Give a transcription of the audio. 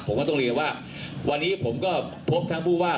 ผมก็ต้องเรียนว่าวันนี้ผมก็พบทั้งผู้ว่า